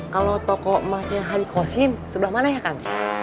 kalau toko emasnya hari kosin sebelah mana ya kan